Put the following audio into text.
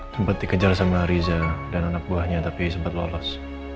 sempat dikejar sama riza dan anak buahnya tapi sempat lolos